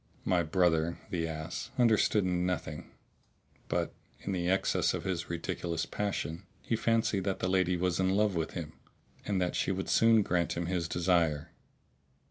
My brother (the ass!) understood nothing; but, in the excess of his ridiculous passion, he fancied that the lady was in love with him and that she would soon grant him his desire.